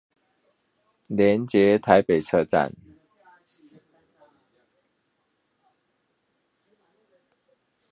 連結臺北車站